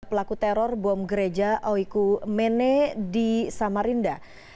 pelaku teror bom gereja oiku mene di samarinda